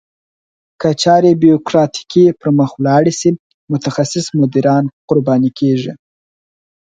که چارې بیوروکراتیکي پرمخ ولاړې شي متخصص مدیران قرباني کیږي.